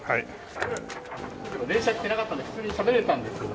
電車来てなかったんで普通にしゃべれたんですけど。